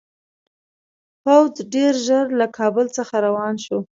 پوځ ډېر ژر له کابل څخه روان شو.